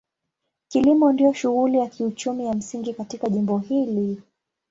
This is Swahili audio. Kilimo ndio shughuli ya kiuchumi ya msingi katika jimbo hili.